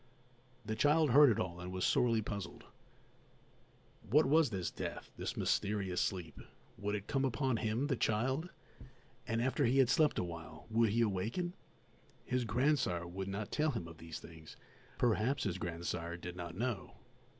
The child heard it all and was sorely puzzled. What was this death, this mysterious sleep? Would it come upon him, the child? And after he had slept awhile would he awaken? His grandsire would not tell him of these things; perhaps his grandsire did not know.